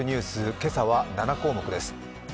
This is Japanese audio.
今朝は７項目です。